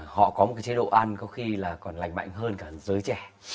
họ có một cái chế độ ăn có khi là còn lành mạnh hơn cả giới trẻ